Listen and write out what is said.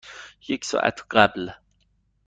یک ساعت قبل.